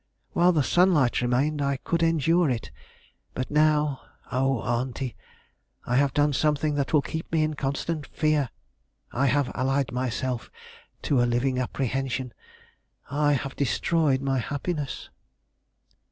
While the sunlight remained I could endure it; but now oh, Auntie, I have done something that will keep me in constant fear. I have allied myself to a living apprehension. I have destroyed my happiness."